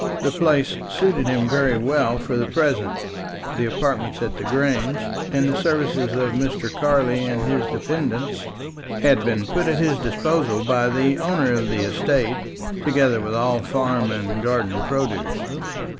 The place suited him very well for the present; the apartments at the Grange, and the services of Mr. Carley and his dependents, had been put at his disposal by the owner of the estate, together with all farm and garden produce.